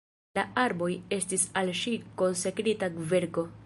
El arboj estis al ŝi konsekrita kverko.